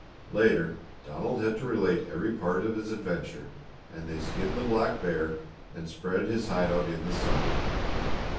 Later Donald had to relate every part of his adventure, and they skinned the black bear and spread his hide out in the sun.